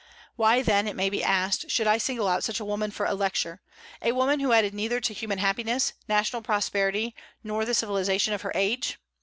Why, then, it may be asked, should I single out such a woman for a lecture, a woman who added neither to human happiness, national prosperity, nor the civilization of her age?